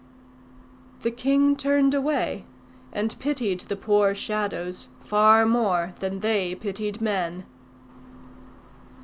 The king turned away, and pitied the poor Shadows far more than they pitied men.